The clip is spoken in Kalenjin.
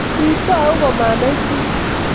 kiitou komanai chi